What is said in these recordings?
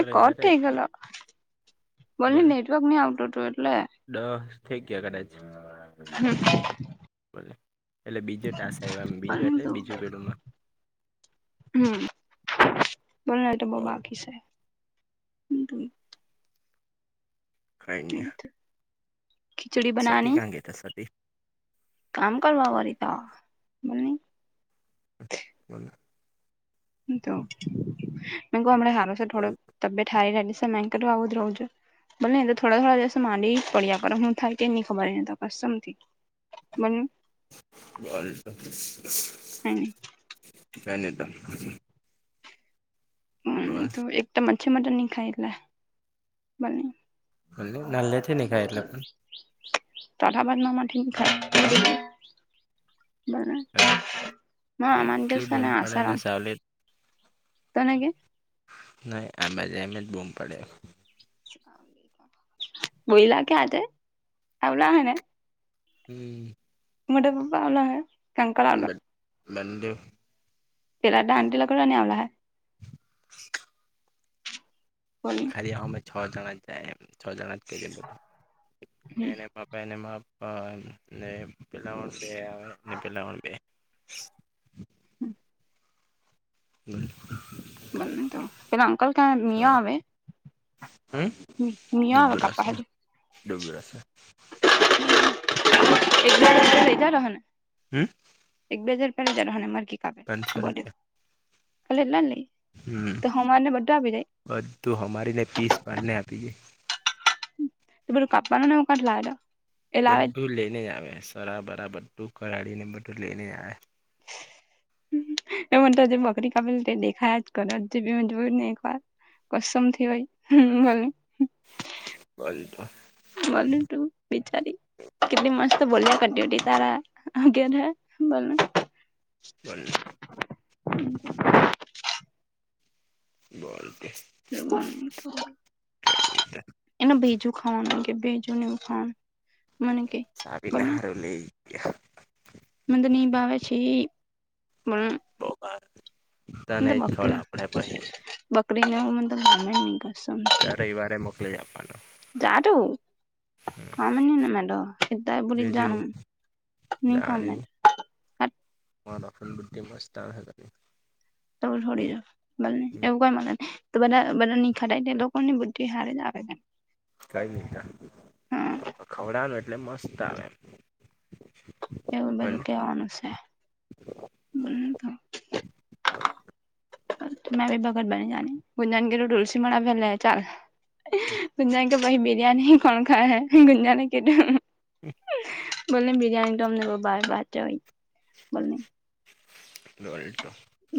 એ કત થઈ ગેલો બલની બોલે નેટવર્ક ની આવતો એટલે દસ થઈક ગયા કદાચ હમ્મ બોલે એટલે બીજો ટાસ આયવા બીજો એટલે બીજું [unintelligible] હમ્મ બોલોને એ તો બહ બોલ બાકી છે [unintelligible] ખિચડી સતી બનાવાની કાં ગયા તા સતી કામ કરવા વારી તો મ બોલો તો મે હમ સારો છે થોડો તબિયત હારી રહેલી છે મે કરું આવું જ રહું છું ભલે તો થોડા થોડા દિવસ માંડી જ પડ્યા પણ હું થાય કેની ખબરને તો કસમ થી મન બોલ તો પસ હમ કાયની ત હમ તો એક તો મચ્છી મટન ની ખાય એટલે [unintelligible] નાનલે થી ની ખાય એટલે પણ તારા બદના માં થી પણ બ હ અનગ એટલી બૂમ છેને પડે ને આસારમ સાવલી તનેે કે નહી એમ જ એમ જ બુમ પાડે બહીલા કે હાતે હા ઓલા હોને હમ મોટા પપ્પા આવલા હે કંકલ આવલા બંદુ પેલા ડાન્તિ લોકો ની આવેલા હે ખલી અમે છ જણા જાયે છ જણા તે મેને બાપાને માપ ને પેલા બે આવે પેલા બે હમ હમ બ તો પેલા અંકલ ક્યાં મિયા આવે હમ મિયા આવે કાપા ડબબરશે હારુ ડુબબરશે [unintelligible] હમ એક બેજાર પે જ હોનેર પાંચસો રૂપિયા ખાલી એટલા જ લેય હમ તો હમાર ને બધા આપી જાય બધું હમારીને પીસ પાને આપી ડે એ પેલું કાપવાનુ ને એવુ કાથી લાવે ત બધું લઈને આવે સરાબરા બધું કરાડી ને બધું લઈને જ આવે ને મને તો જે બકરી કાપલુ તે દેખાયજ કરે હજુ ભી મેં જોયું જ ની એક વાર કસમથી હોય ભલ બોલ તો બલ તું વિચારી કટલી મસ્ત બોલ્યા કરતી ઉટી તારા આગે બોલ બોલને હમ બળપ એનું બેજું ખાવાનું કે ભેજું નને એ ખાવાનુ સાવીના હાર લઈ. મંદ તો ની ભાવ છે પણ બો મને તને તો છોડ આપણેે ભાઈ બકરી ને [unintelligible] દર રવિવારે મોકલી આપવાનો જા તું કામ નને મેડો સ ત બી જાું બીજું ન ખામ મેડ મા રફલ બુદ્િમાં સ્ટાર હ ગ તમે છડી જ બને એવું કોઈ મ ન તો બધા બધા નિખટાય લોકો ની બુદ્ધિ હારી જ આવે કઈ ન હા ખવડનું એટલે મસ્ત આવે એમ એવું બધું કેવાનું છે બ તો મેંી ભગત બની જની ગુંજાનગીર તુલસી માડા ફેલા ચાલ ગુંજાનગીર તો ભાઈ બિરિયાની કોણ ખા હૈ ગુંંજાને કે તો હ મને બરિયાની દમ ને બવ ભાવે બાતે હોય બોલો. વલ તોો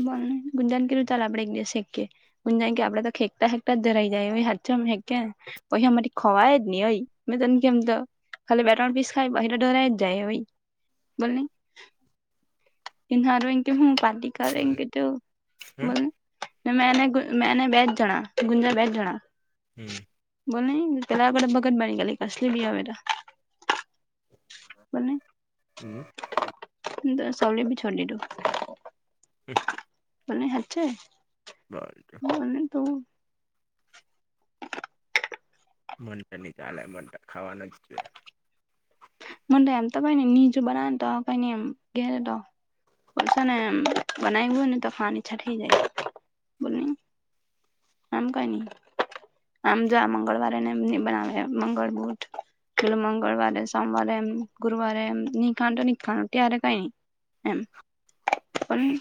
બોલ ગુંજાન કરું ચાલલે આપણે એક દિવસે એક કે હું જ કે આપડે તો ખેકતા ખેકતા જ ધરાઈ જાય હા હે પૈસા મારી ખવાય જ નહી અય મે તને કેમતો ખાલી બેટન પીસ ખાય બહિરા ડઢોર જાય હોઈ બને એન્હ એ હું પાટિક બોલ એનકે તોું બો હમ મે એને મેને બે જ જણા ગુંજા બે જ જણા હમ બોલ ત્યારે બ બગટ બની ગ કસલી બી આવેવેરા બ તો સૌળ ભી છોડી દીધું. હમ તને યાદ છે. બાર જાવ બને તો હ મન તો ની ચાલે મન તો ખાવાનું જ જોયે. મને એમ તો કઈ ની બીજું બનાવે તો આપે ની એમ ઘેર તો છે ને આમ બનાઈ હુઈ ને તો પાણી છટી જાય બોલ આમ કઈ નહી આમ જો આ મંગળવારે ને એમ ની બનાવે મંગળ બુદ્ધ પેલા મંગળવારે સોમવારે એમ ગુરુવારે એમ નહી ખાનું ની ચાલે ત્યારે કઈ એમ પણ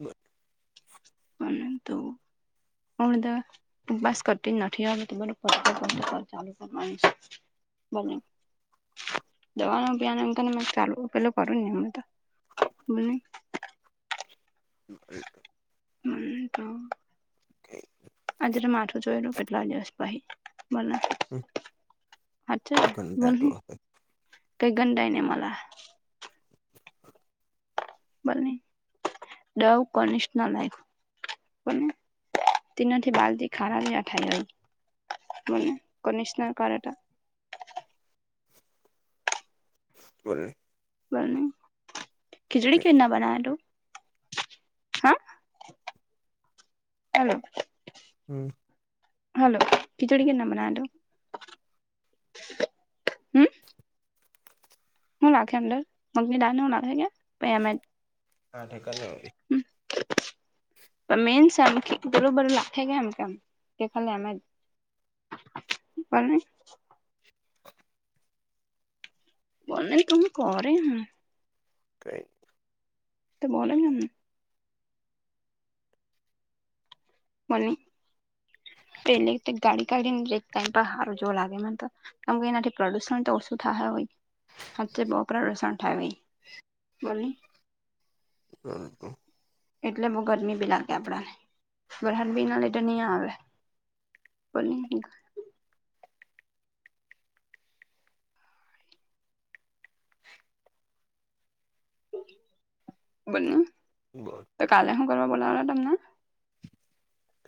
બ પણ તો હું વધાર ઉપવાસ કરતી નથી, હવે તો બધું પડતું કર દેવાનું આવે બને દવા નુ પેન આમ ચાલુ પેલું કરું ને આમ તો બને હમ મને તો કઈ આજે તો માથું જોયેલું કેટલા દિવસ ભાઈ બોલો અચ્છા બોલ કઈ ઘનડાઈ ને મને બને ડવ કનિશનર બન્ને પણ તે નથી બાલથી ખારા જેવા થઈ ગયા. મને કનિશનર કરે તો. બોલ. બને ખીચડી કે રીત ના બનાવા નું હેલો હમ. હલો ખિચડી કે રીતના બનાવે તો હમ હું નાખે અંદર મગની દાળ ને એવું નાખે કે એમજ. [inaudible] તો મેન્સ આમ થી બરોબર લાખે કે એમ કેવ કે ખાલી એમજ. બને. બને તો હું કરે ને. કઈ. તો બોલો અમને. મળ્યું, પેલી તે ગાડી કાઢીન જઈ ટાઈમ પર હારુ જોવા ન લાગે મને તો. કેમ કે એનાથી પ્રદુષણ તો ઓછું થાહે અવે. હાચે બોપરા લસણ થાયો ભઈ, બોલની. [inaudible] એટલે બહુ ગરમી બી લાગે આપડાને, વરહાદ ની લીધે ની આવે. બની ગ્યું. બન્યું તો કાલે હું કરવા બોલાવાના તમને?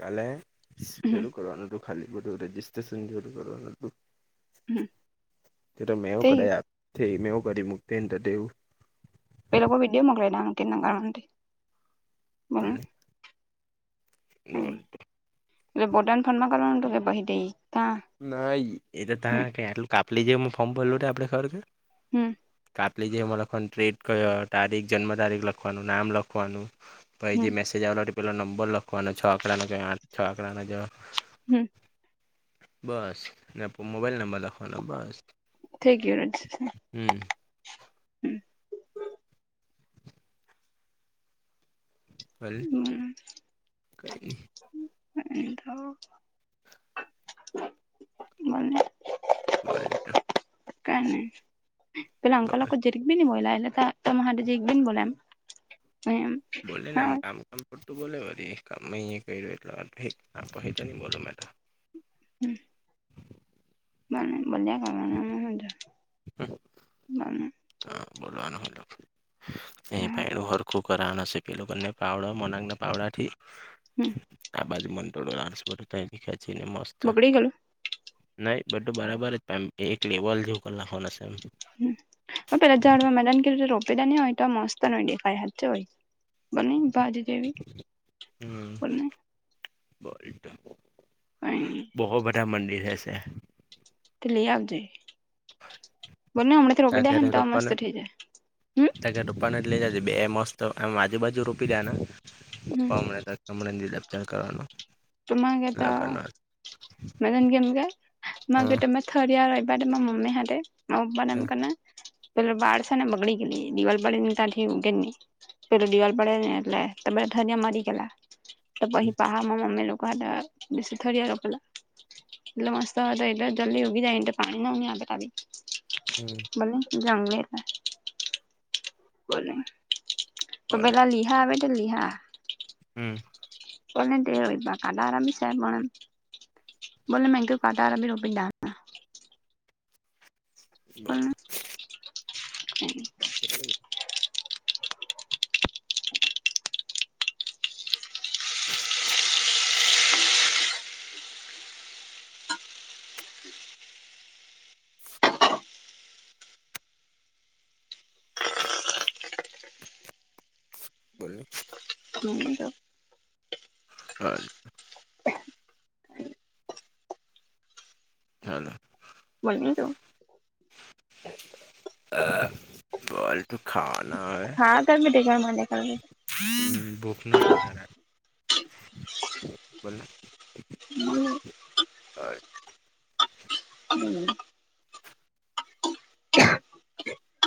કાલે પેલું હમ કરવાનું તું. ખાલી ખોટું રજીસ્ટ્રેશન કેવી રીતે કરવાનું અતુ. એતો મેં એવું થઈ કદા ગયું આપથી મે વુ કદી મુક્તિ ન તો તેવું. એ લોકો વિડીયો મોકલે ના કે રીતના કરવાનું તે? બોલને બને. ના [unintelligible] એલે પોતાન ફોનમાં કરવા નું અતુ કે પહી થી તા? ના ઈ એતો તા હમ કે આટલું કાપલી જે ફોર્મ ભરલું આપડે ખબર કે? હમ. કાપલી જે એમાં લખવાનું ટ્રેટ કયો તારીખ જન્મ તારીખ લખવાનું નામ લખવાનું. પહી જે હમ મેસેજ આવેલા તે પેલો નંબર લખવાનો છ આંકડાનો આઠ છ આંકડાનો જો. હમ. બસ અને પ મોબાઈલ નંબર લખવાનો બસ. થઈ ગયું. હમ. હલ, કઈની. એ તો બોલને. [unintelligible] કઈ ની, પેલા અંકલ લોકો બસ જે ઠીક બી ની બોઈલા એટલે કા તમાર હાટુ જે એક બી ની બોલા એમ. બોલેને આમ હા કામ કામ. ખોટું બોલે બધી કામ ઈ કર્યું પહી તો ની બોલું મેં તો. હમ. [inaudible] [unintelligible] બોલવાનું [unintelligible] હરખું કરવાના છે કે એ લોકોને પાાવડા મનાંગના પાાવડાથી, હમ આબાજ મડ ખેંચી ને મસ્ત. બગડી ગેલુ? નહી બધું બરાબર જ એમ એક લેવલ જેવું કર નાખવાનું સે એમ. હમ, પેલા જાડવા મે તન કીધું તું રોપી દેની હોય તો મસ્ત. તનય દેખાય હચે મઈ બોલની બાજુ જેવી બોલને. બોલ્ટ હું. કઈ ની. બોહો બધા મંદિર હેશે. તે લઈ આવજે, બોલને હમણાં તો તા રોપી દેહેન તો આ મસ્ત થઇ જાહે હમ. બે રૂપાના જ લઈ જાજે બે મસ્ત એમ આજુબાજુ રોપી દેવાના, હમ પણ હમણાં તો હમણા નિરાતે કરવાનો. તું મન કેતા લગન હા મેં તન કેમકે માર રીતે મેં ઠળિયા રોયપા તે મમ્મી હાથે, માર પપ્પા એમ હા કરને. પેલું બાર સેને બગડી ગેલી દિવાલ પાડીન તારથી ઉગેજની. પેલું દિવાલ પડે ને એટલે તબે ધરિયા મારી ગેલા, તો પહી હમ પાહા માં મમ્મી લો થદિયા રોપેલા. એટલે મસ્ત હતો એટલે જલ્દી ઉગી જાય એનટ પાણી ના આવી. હમ બોલને જમી લેતા. બો તો પેલા લીહા આવે તો લીહા. હમ. પલે કટ આરામી છેડમાં એ કઢ આરામી રપા. બોલ બોલને. [unintelligible] બોલની. હમ તો. હલ. હલો. બોલની તું. બોલ તું ખાવાના આવે. હા કર [unintelligible] કરવી. ભૂખના ઠીકારાં. બોલને. હમ. હા. હમ.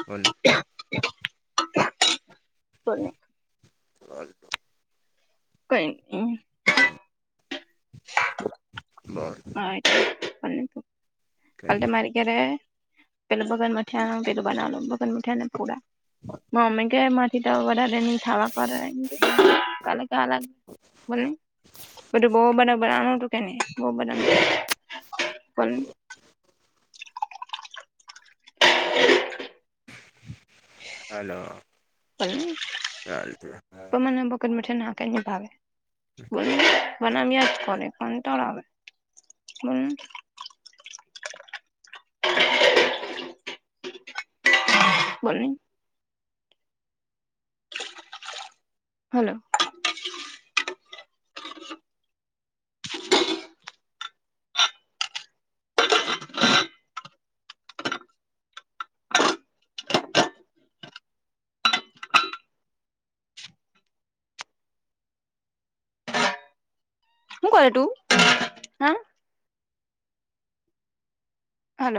બોલો. બોલને હ. [unintelligible] કઈ ન. બર. [unintelligible] હ. [unintelligible] કઈ કાલે મારી ઘ્યારે પેલું બગન મઠિયાનું પેલું બનાવલો બગન મઠિયાને પોડા. મમ્મી કે માંથી તો વધારે ખાવા કરે ક. ક્યા અલ બોલ ને. બધું બહ બરાબર આનું તું કે ન બ બધા. હલો. ચાલતું પમાને બકટ મઠ ના કઈ ભાવે બોલ ને. ામ આજ કર ખરા આવે. બોલ ને. હલો. હું કર તું હ. હલો